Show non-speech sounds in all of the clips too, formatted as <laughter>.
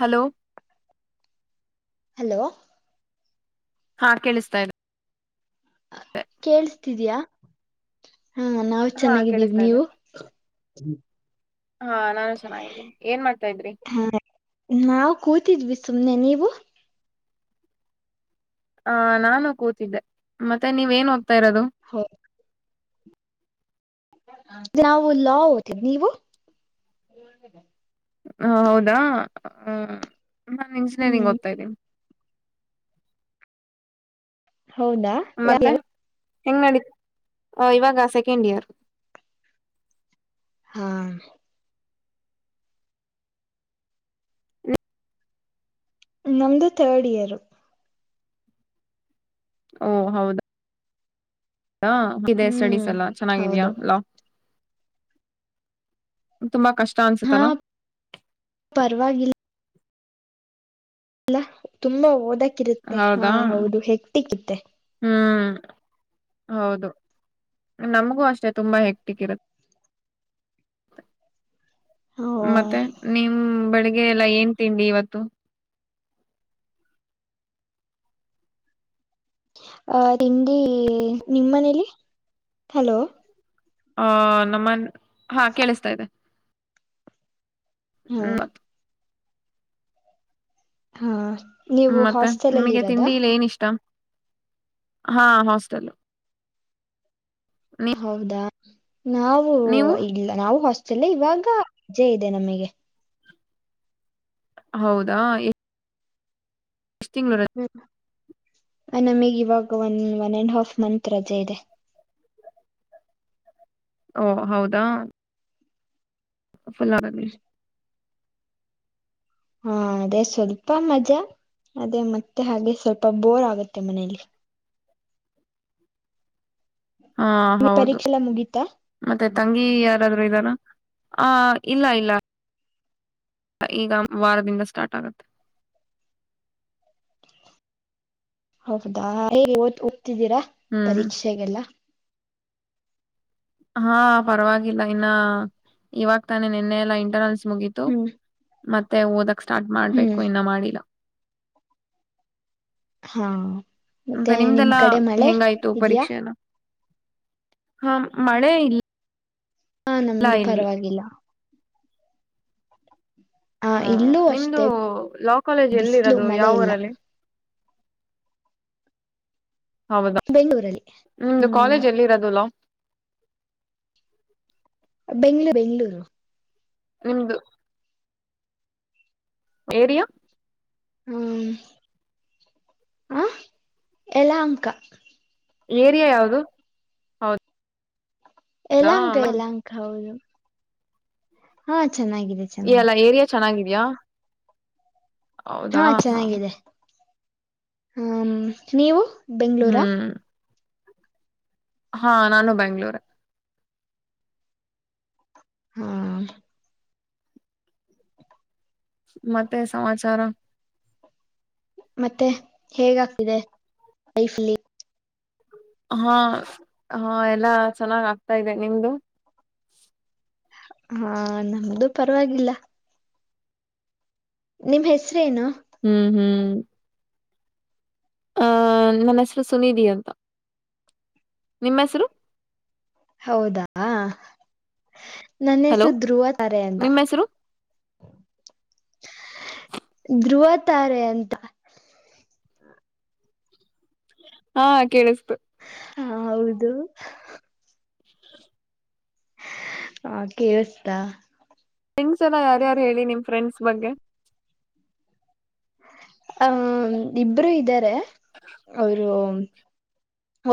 Hello hello ಹಾ ಕೇಳಿಸ್ತಾ ಇ್ದದೆ ಕೇೇಳಸ್ತಿದಯಾ ಹಾ ನಾವ್ ಹಾ ಚೆನ್ನಾಗಿದ್ದೀವಿ ಕೇಳಿಸ್ತಾ ಇದೆ ನೀವು ಹಾ ನಾನು ಚೆನ್ನಾಗಿದ್ದೀಿ ಏನ್ ಮಾಡ್ತಾ ಇದ್ರಿ ಹಾ ನಾವು ಕೂತಿದ್ವಿ ಸುಮ್ನೆ ನೀವು ಆ ನಾನು ಕೂತಿದ್ದೆ ಮತ್ತೆ ನೀವೇನ್ ಹೋಗ್ತಾ ಇರೋದು ಹ ನಾವು ಲಾ ಓತಿದ್ ನೀವು ಹ ಹ ಹೌದಾ ನಾನ್ ಇಂಜಿನಿಯರಿಂಗ್ ಹ್ಮ್ ಓದ್ತಾ ಇದ್ದೀನಿ ಹೌದಾ ಯಾವ ಮತ್ತೆ ಹೆಂಗ ನಡ ಇವಾಗ ಸೆಕೆಂಡ್ ಇಯರ್ ಹಾ ನಮ್ದು ಥರ್ಡ್ ಇಯರ್ ಓ ಹೌದಾಾ ಇದೆ ಸ್ಟಡೀಸ್ ಹ್ಮ್ ಎಲ್ಲ ಹೌದು ಚೆನ್ನಾಗಿದಯಾಲ್ಲಾ ತುಂಬಾ ಕಷ್ಟ ಹಾ ಅನ್ಸುತ್ತಲ್ಲಾ ಪರವಾಗಿಲ್ಲ ಅಲ್ಲ ತುಂಬಾ ಓದಕಿರುತ್ತೆ ಹಾ ಹೌದಾ ಹೌದು ಹೆಕ್ಟ್ಟಿಕ್ಕಿತ್ತೆ ಹ್ಮ್ ಹೌದು ನಮಗೂ ಅಷ್ಟೆ ತುಂಬಾ ಹೆಟ್ಟಿಗಿರುತ್ತೆ ಹ ಮತ್ತೆ ನಿಮ ಬೆಳಿಗ್ಗೆ ಎಲ್ಲ ಏನ್ ತಿಂಡಿ ಇವತ್ತು ಅ ತಿಂಡಿ ನಿಮ್ಮ ಮನೇಲಿ ಹಲೋ ಆ ನಮ್ಮನ್ ಹಾ ಕೇಳಿಸ್ತಾ ಇದೆ್ಮ ಹಾ ಹಾ ನೀವು ಮತ್ತೆ ಹಾಸ್ಟೆಲ್ ಅಲ್ಲಿ ನಿಮಗೆ ಇರೋದಾ ತಿಂಡಿ ಇಲ್ಲಿ ಏನಷ್ಟ ಹಾ ಹಾಸ್ಟೆಲ್ ನೀ ಹೌದಾ ನಾವು ನೀವು ಇಲ್ಲ ನಾವು ಹಾಸ್ಟೆಲ್ ಇವಾಗ ಅಜ್ಜೆ ಇದೆ ನಮಗೆ. ಹೌದಾ ಏ <unintelligible> ಹ್ಮ ನಮಗ್ ಇವಾಗ one one and half month ರಜೆ ಇದೆ. ಓ ಹೌದಾ. <unintelligible> <unintelligible> ಹಾ ಅದೇ ಸ್ವಲ್ಪ ಮಜಾ ಅದೇ ಮತ್ತೆ ಹಾಗೆ ಸ್ವಲ್ಪ ಬೋರ್ ಆಗುತ್ತೆ ಮನೇಲಿ. ಹಾ ನಿಮಗೆ ಹೌದು ಪರೀಕ್ಷೆ ಎಲ್ಲ ಮುಗೀತಾ ಅದೇ ತಂಗಿ ಯಾರಾದ್ರು ಇದ್ದಾರ ಆ ಇಲ್ಲ ಇಲ್ಲ. ಈಗ ವಾರದಿಂದ ಸ್ಟಾರ್ಟ್ ಆಗುತ್ತೆ. ಹೌದಾ ಹೇಗೆ ಓದ್ತಾ ಇದೀರಾ ಹ್ಮ್ ಪರೀಕ್ಷೆಗೆಲ್ಲ. ಹಾ ಪರವಾಗಿಲ್ಲ ಇನ್ನ ಇವಾಗ ತಾನೆ ನಿನ್ನೆ ಎಲ್ಲಾ ಇಂಟರ್ನನ್ಸ್ ಮುಗೀತ್ ಹ್ಮ್ ಮತ್ತೆ ಓದಕ್ ಸ್ಟಾರ್ಟ್ ಹ್ಮ್ ಮಾಡ್ಬೇಕು ಇನ್ನ ಮಾಡಿಲ್ಲ. ಹಾ ಅಂತ ಮತ್ತೆ ನಿಮ್ ನಿಮ್ದೆಲ್ಲಾ ಕಡೆ ಮಳೆ ಹೆಂಗಾಯ್ತು ಇದ್ಯಾ ಪರೀಕ್ಷೆನ ಹ ಮಳೆ ಇಲ್ ಹಾ ನಮ್ದು ಪರವಾಗಿಲ್ಲ. ಆ ಹಾ ಇಲ್ಲೂ ನಿಮ್ದು ಅಷ್ಟೇ ಲಾ ಕಾಲೇಜ್ ಬಿಸಿಲು ಎಲ್ಲಿರೋದು ಮಳೆ ಯಾವ ಇಲ್ಲ ಊರಲ್ಲಿ. ಹೌದಾ. ಬೆಂಗಳೂರಲ್ಲಿ. ನಿಮ್ದು ಹ್ಮ್ ಕಾಲೇಜ್ ಎಲ್ಲಿ ಇರೋದು ಲಾ. ಬೆಂಗ್ಳೂರು ಬೆಂಗಳೂರು. ನಿಮ್ದು ಏರಿಯಾ ಹ್ಮ ಹ ಯಲಹಂಕ. ಏರಿಯಾ ಯಾವ್ದು ಹೌದ. ಎಲಾಂಕ ಎಲಾಂಕ ಹೌದು. ಹಾ ಚೆನ್ನಾಗಿದೆ ಚೆನ್ನಾಗಿದೆ. ಚೆನ್ನಾಗಿದೆಯಾ. ಹಾ ಹ ಚೆನ್ನಾಗಿದೆ ಹ್ಮ ನೀವು. ಹ್ಮ್ ಬೆಂಗಳೂರಾ ಹಾ ನಾನು ಬೆಂಗ್ಳೂರೆ. ಹಾ ಮತ್ತೆ ಸಮಾಚಾರ ಮತ್ತೆ ಹೇಗ ಆಗ್ತಿದೆ ಲೈಫ್ ಅಲ್ಲಿ. ಹಾ ಹಾ ಎಲ್ಲಾ ಚೆನ್ನಾಗ್ ಆಗ್ತಾ ಇದೆ ನಿಮ್ದು ಹಾ ನಮ್ದು ಪರವಾಗಿಲ್ಲ. ನಿಮ್ ಹೆಸರು ಏನು. ಹ್ಮ್ ಹ್ಮ್ ಹ ನನ್ನ ಹೆಸರು ಸನ್ನಿಧಿ ಅಂತ ನಿಮ್ಮ ಹೆಸರು. ಹೌದಾ ನನ್ನ ಹಲೋ ಹೆಸರು ಧ್ರುವ ತಾರೆ ಅಂತ. ನಿಮ್ಮ ಹೆಸರು ಧ್ರುವ ತಾರೆ ಅಂತ. ಹಾ ಕೇಳಿಸ್ತು. ಹ ಹೌದು <inaudible> ಆ ಕೇಳಸ್ತಾ? ತಿಂಗ್ಸ್ ಎಲ್ಲ ಯಾರ್ಯಾರು ಹೇಳಿ ನಿಮ್ ಫ್ರೆಂಡ್ಸ್ ಬಗ್ಗೆ ಆ ಇಬ್ಬರು ಇದ್ದಾರೆ ಅವರು.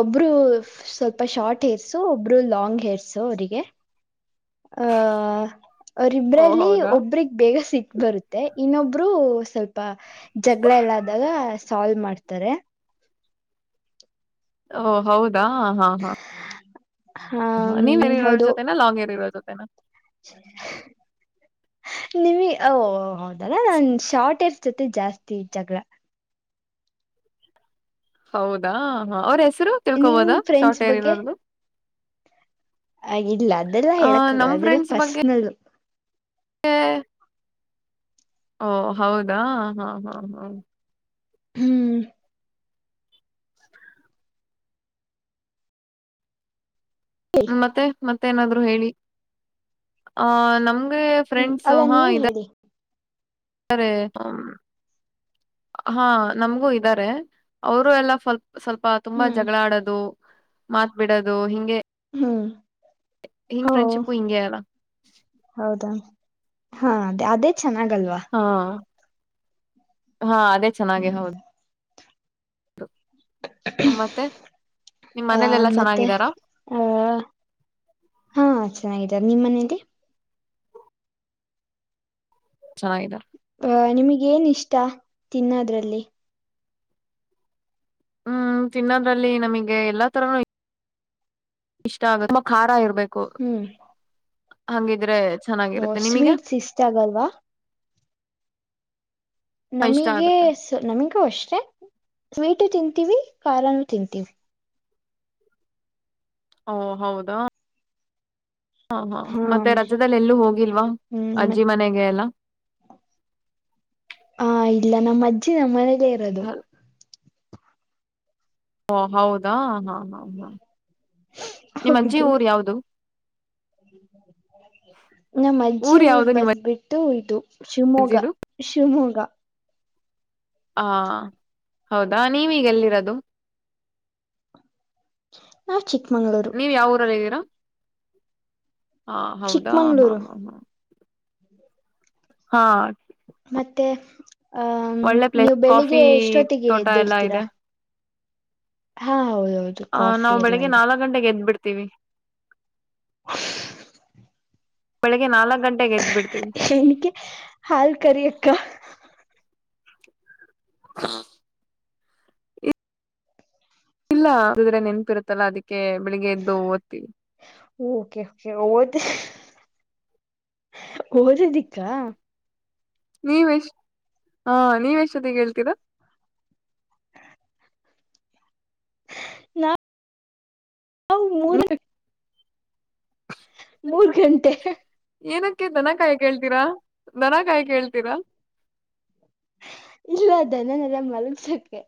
ಒಬ್ರು ಸ್ವಲ್ಪ ಶಾರ್ಟ್ ಹೇರಸು ಒಬ್ರು ಲಾಂಗ್ ಹೇರಸು ಅವರಿಗೆ ಆಹ ಓ ಅವರಿಬ್ರಲ್ಲಿ ಹೌದಾ ಒಬ್ರಗ್ ಬೇಗ ಸಿಟ್ ಬರುತ್ತೆ ಇನ್ನೊಬ್ರು ಸ್ವಲ್ಪ. ಜಗಳ ಎಲ್ಲ ಆದಾಗ ಸಾಲ್ವ್ ಮಾಡ್ತಾರೆ. ಓ ಹೌದಾ ಹಾ ಹಾ ಹ ನೀವ ಹೇರ್ ಇರೋರ ಜೊತೆನಾ ಲಾಂಗ ಏರಿರೋ ಜೊತೆನಾ ನಿಮ ವೋ ಹೌದಲ್ಲ ನಾ ಶಾರ್ಟ್ ಹೇರಸೂ ಜೋ ತೆ ಜಾಸ್ತಿ ಜಗಳ. ಹೌದಾ ಹ ಅವ್ರ ಹೆಸರು ನಿಮ್ ತಿಳ್ಕೋಬೋದಾ ಶಾರ್ಟ್ ಫ್ರೆಂಡ್ಸ್ ಏರಿರೋರ್ದು ಆ ಇಲ್ಲ ಅದೆಲ್ಲಾ ಆ ಹೇಳಕ ನಮ್ ಆಗಲ್ಲಾ ಅದೆಲ್ಲ ಫ್ರೆಂಡ್ಸ್ ಬಗ್ಗೆ ಪರ್ಸನಲ್. ಓ ಹೌದಾ ಹಾ ಹಾ ಹಾ ಹ್ಮ್ ಮತ್ತೆ ಮತ್ತೆ ಏನಾದ್ರೂ ಹೇಳಿ ಆಹ ನಮ್ಗೆ. ಹ್ಮ್ ಫ್ರೆಂಡ್ಸು ಅಲ್ಲ ಹಾ ನೀವ್ ಇದಾರೆ ಹೇಳಿ ಹಾ ನಮ್ಗೂ ಇದ್ದಾರೆ ಅವರು ಎಲ್ಲ ಸ್ವಲ್ಪ ಸ್ವಲ್ಪ ತುಂಬಾ ಹ್ಮ್ ಜಗಳ ಆಡೋದು ಮಾತ್ ಬಿಡದು ಹಿಂಗೆ. ಹ್ಮ್ ಹಿಂಗ್ ಓ ಫ್ರೆಂಡ್ಶಿಪ್ ಹಿಂಗೆ ಅಲ್ಲ ಹೌದಾ ಹಾ ಅದೇ ಅದೇ ಚೆನ್ನಾಗಲ್ವಾ. ಹಾ ಹಾ ಅದೇ ಚೆನ್ನಾಗೆ ಹೌದು ಹ್ಮ್ ಮತ್ತೆ ನಿಮ್ಮ್ ಆ ಮನೇಲೆಲ್ಲಾ ಮತ್ತೆ ಚೆನ್ನಾಗಿದ್ದಾರಾ? ಆ ಹಾ ಚೆನ್ನಾಗಿದ್ದಾರೆ ನಿಮ್ಮ್ ಮನೇೆಯಲ್ಲಿ. ಚೆನ್ನಾಗಿದ್ದಾರ. ಅಹ ನಿಮಗ್ ಏನ್ ಇಷ್ಟ ತಿನ್ನೋದ್ರಲ್ಲಿ. ಹ್ಮ್ ತಿನ್ನೋದ್ರಲ್ಲಿ ನಮಗೆ ಎಲ್ಲಾ ತರನುು ಇ ಷ್ಟ ಆಗುತ್ತೆ ತುಂಬಾ ಖಾರ ಇರ್ಬೇಕು. ಹ್ಮ್ ಹಂಗಿದ್ರೆ ಓ ಚೆನ್ನಾಗಿರುತ್ತೆ ನಿಮಗೆ ಸ್ವೀಟ್ಸ್ ಇಷ್ಟ ಆಗಲ್ವಾ ಇಷ್ಟ ನಮಗೆ ಆಗುತ್ತೆ ನಮಗೂ ಅಷ್ಟೆ ಸ್ವೀಟು ತಿಂತೀವಿ ಖಾರನೂ ತಿಂತೀವಿ ಓ ಹೌದಾ ಹಾ ಹಾ ಮತ್ತೆ ರಜದಲ್ಲಿ ಎಲ್ಲೂ ಹೋಗಿಲ್ವಾ ಹ್ಮ್ ಅಜ್ಜಿ ಮತ್ ಮನೆಗೆ ಎಲ್ಲ ಹಾ ಇಲ್ಲ ನಮ್ಮ ಅಜ್ಜಿ ನಮ್ಮ ಮನೇಲ್ಲೇ ಇರೋದು. ಓ ಹೌದಾ ಹಾ ಹಾ ಹಾ ನಿಮ್ಮಜ್ಜಿ ಹೌದು ಊರ್ ಯಾವ್ದು. ನಮ್ಮ ಅಜ್ಜಿ ಊರ್ ಯಾವ್ದು ನಿಮ್ಮ ಬಂದ್ಬಿಟ್ಟು ಇದು. ಶಿವಮೊಗ್ಗ ಅಜ್ಜಿದು ಶಿವಮೊಗ್ಗ. ಹ ಹೌದಾ ನೀವೀಗ ಎಲ್ಲಿರೋದು. ನಾ ಚಿಕ್ಕಮಂಗಳೂರು. ಎಲ್ಲಿ ಇದೀರಾ ಹೌದಾ ಹಾ ಚಿಕ್ಕಮಂಗ್ಳೂರು ಹಾ ಹಾ. <unintelligible> ಹಾ ಮತ್ತೆ ಅಹ ಒಳ್ಳೆ ಪ್ಲೇಸ್ ನೀವು ಬೆಳಿಗ್ಗೆ ಕಾಫಿ ಎಷ್ಟೊತ್ತಿಗೆ ತೋಟ ಎಲ್ಲಾ ಎದ್ದೇಳ್ತೀರಾ? ಇದೆ ಹಾ ಹೌದೌದು ಆ್ ಕಾಫಿ ನಾವು ಎಲ್ಲ ಬೆಳಗ್ಗೆ ನಾಲ್ಕು ಗಂಟ ಗೆದ್ಬ ಬಿಡ್ತೀವಿ ಹ ಬೆಳಗ್ಗೆ ನಲ್ಕ ಗಟೆಗೆ ಎದ್ಬಿು ಎನಕ್ಕೆ ಹಾಲ್ ಕರಿಕ್ಕ ಹಾ ಇಲ್ಲ ಹಿದ್ರೆ ನೆನ್ಪಿ ಇರುತ್ತಲ್ಲಾ ಅದಕ್ಕೆ ಬೆಳಗ್ಗೆ ಎದ್ದ ದ್ತಿವಿ ಓಕೆ ೆ ಓದ ಓದದಿಕ್ಕಾ ನೀವೆಷ್ಟ್ ಹಾ ನೀವ ಎಷ್ಟೊತ್ತಿಗೆ ಹೇಳ್ತೀರಾ ನಾ ಹ್ಮ ಮೂರ್ ಗಂಟೆ ಏನಕ್ಕೆ ದನಕಾಯಿ ಕೇಳ್ತೀರಾ ದನಕಾಯಿ ಕೇಳ್ತೀರಾ ಇಲ್ಲ ಧನನೆಲ್ಲ ಮಲಗ್ಸಕೆ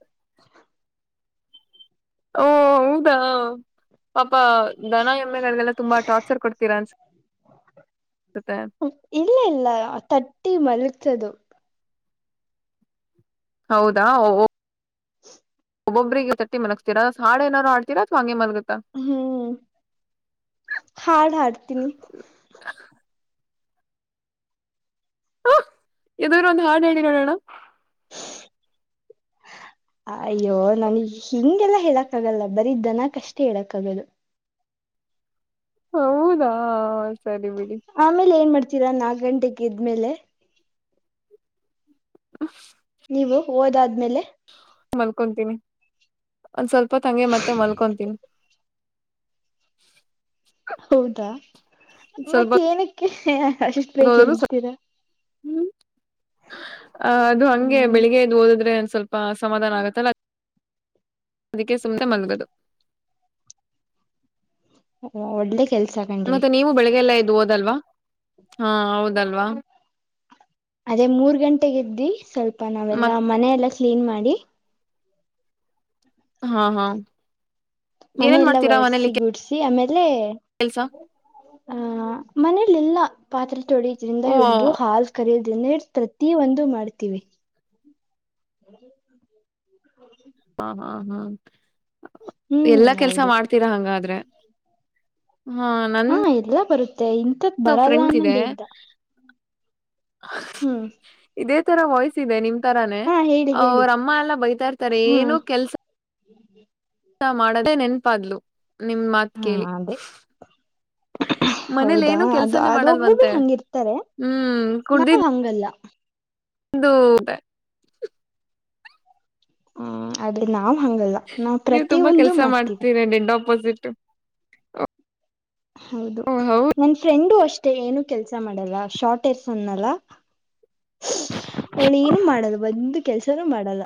ಓ ಹೌದಾ ಪಾಪ ದನ ಎಮ್ಮೆಗಳಿಗೆಲ್ಲ ತುಂಬಾ ಟಾರ್ಚರ್ ಕೊಡ್ತೀರಾ ಅನ್ಸುತ್ತೆ ಇಲ್ಲ ಇಲ್ಲ ತಟ್ಟಿ ಮಲಗ್ತದು ಹೌದಾ <inaudible> ಒಬ್ಬೊಬ್ಬರಿಗೆ ತಟ್ಟಿ ಮಲಗ್ಸ್ತೀರಾ ಅಥವಾ ಹಾಡಿನಾದ್ರು ಹಾಡ್ತೀರಾ ಅಥವಾ ಹಂಗೆ ಮಲಗ್ಸ್ತೀರಾ ಹ್ಮ್ ಹಾಡ್ ಹಾಡ್ತೀನಿ ಹ ಯಾವುದಾದರೂ ಒಂದು ಹಾಡು ಹಾಡಿ ನೋಡೋಣ ಅಯ್ಯೋ ನನ್ಗ್ ಹಿಂಗೆಲ್ಲ ಹೇಳಕ್ ಆಗಲ್ಲ ಬರೀ ದನಕ್ಕೆ ಅಷ್ಟೇ ಹೇಳಕ್ ಆಗದು ಹ ಹೌದಾ ಸರಿ ಬಿಡಿ ಆಮೇಲೆ ಏನ್ ಮಾಡ್ತೀರಾ ನಾಲ್ಕು ಗಂಟೆೆಗೆ ಎದ್ಮೇಲೆ ಹ ನೀವು ಹೋದಾದ್ಮೇಲೆ ಮಲ್ಕೊತೀನಿ ಒಂದ್ ಸ್ವಲ್ಪ ಹೊತ್ತು ಹಂಗೆ ಮತ್ತೆ ಮಲ್ಕೊಂತೀನಿ <inaudible> ಹೌದಾ ಮತ್ತ ಏನಕ್ಕೆ ದ ಬೇಗ ಹೇಳ್ತೀರಾ ಹ್ಮ ಅ ಅದು ಹಂಗೆ ಹ್ಮ್ ಬೆಳಿಗ್ಗೆ ಎದ್ದು ಓದಿದ್ರೆ ಸಮಾಧಾನ ಆಗತ್ತಲ್ಲ ಅದಕ್ಕೆ ಸುಮನೆ ಮಲಗದು ಹೂ ಒಳ್ಳೆ ಕೆಲ್ಸ ಕಣ್ರಿ ಮತ್ತೆ ನೀವು ಬೆಳಿಗ್ಗೆ ಎಲ್ಲ ಎದ್ದು ಓದಲ್ವಾ ಹಾ ಹೌದಲ್ವಾ ಅದೇ ಮೂರ್ ಗಂಟೆಗ ಇದದ್ದಿ ಸ್ವಲ್ಪ ನಾವೆಲ್ಲಾ ಮತ್ ಮನೆ ಎಲ್ಲ ಕ್ಲೀನ್ ಮಾಡಿ ಹಾ ಹಾ ಏನೇನ್ ಮನೆಯೆಲ್ಲಾ ಒರ್ಸಿ ಗುಡ್ಸಿ ಆಮೇಲೆ ಎಲ್ಸ ಆಹ ಮನೇಲಿಲ್ಲ ಪಾತ್ರೆ ತೊಳಿದ್ರಿಂದ ಓ ಹಿಡ್ದು ಹಾಲ್ ಕರುದ ನೆಡ್ ಪ್ರತಿ ಒಂದು ಮಾಡ್ತೀವಿ ಹಾ ಹಾ ಹ್ಮ್ ಹ್ಮ್ ಎಲ್ಲಾ ಕೆಲ್ಸ ಹೌದು ಮಾಡ್ತೀರಾ ಹಂಗಾದ್ರೆ ಹ್ಮ ಹಾ ಎಲ್ಲಾ ಬರುತ್ತೆ ಇಂಥದ್ ಬರಲ್ಲ ಅನ್ನೋದೇ್ದ ಹ ಹ್ಮ್ ಇದೇ ತರ ವಾಯ್ಸ್ ಇದೆ ನಿಮ್ ತರಾನೇ ಹಾ ಹೇಳಿ ಹೇಳಿ ಅವ್ರ ಅಮ್ಮ ಎಲ್ಲಾ ಬೈತಾ ಇರ್ತಾರೆ ಏನೂ ಹ್ಮ್ ಕೆಲ್ಸ್ ಮಾಡ್ದೇ ನೆನಪಾ ಆದ್ದಲ ನಿಮ್ ಮಾತ್ ಹಾ ಕೇಳಿ ಅದೇ ಮನೇಲಿ ಹೌದಾ ಏನು ಅದು ಕೆಲ್ಸಾನೇ ಅದ ಮಾಡಲ್ವಂತೆ ಒಬ್ಬೊಬ್ರು ಹ್ಮ್ ಕುಡ್ದಿದ್ದ್ ಹೃೃೆ ಇನ್ನೂ ಇದೆ ಹ್ಮ್ ಆದ್ರೆ ನಾನ್ ಹಂಗಲ ನೀವು ತುಂಬಾ ಕೆಲ್ಸ ಮಾಡ್ತೀರ ಡೆಡ್ ಆಪೋಸಿಟ್. ಹೌದು ಓ ಹೌದ ನನ್ ಫ್ರೆಂಡು ಅಷ್ಟೇ ಏನು ಕೆಲಸ ಮಾಡಲ್ಲ ಶಾಪ್ ಹೆಸರು ಅನ್ನಲ್ಲ. ಅವಳು ಏನು ಮಾಡಲ್ಲ ಒಂದು ಕೆಲ್ಸನೂ ಮಾಡಲ್ಲ.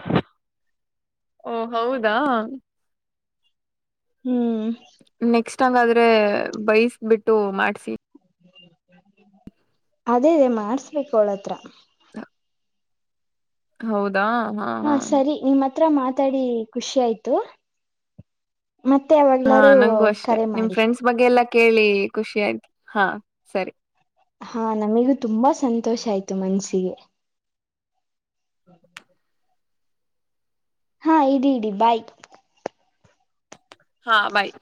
ಓ ಹೌದಾ ಹ್ಮ್ ನೆಕ್ಸ್ಟ್ ಹಂಗಾದ್ರೆ ಬೈಸ್ ಬಿಟ್ಟು ಮಾಡ್ಸಿ ಅದೇ ಮಾಡ್ಸ್ಬೇಕು ಅವಳತ್ರ ಹ ಹೌದ್ ದ ಹ ಹಾ ಸರಿ ನಿಮ್ಮ ಹತ್ರ ಮಾತಾಡಿ ಖುಷಿ ಆಯ್ತು. ಮತ್ತೆ ಹಾ ಯಾವಗ್ಲಾರೂ ನಂಗೂ ಅಷ್ಟೆ ಕರೆ ನಿಮ್ ಮಾಡಿ. ಫ್ರೆಂಡ್ಸ್ ಬಗ್ಗೆ ಎಲ್ಲಾ ಕೇಳಿ ಖುಷಿ ಆಯ್ತು ಹಾ ಸರಿ. ಹಾ ನಮಗೂ ತುಂಬಾ ಸಂತೋಷ ಆಯ್ತು ಮನಸ್ಸಿಗೆ. ಹಾ ಇಡೀ ಇಡೀ ಬಾಯ್ ಹಾ ಬಾಯ್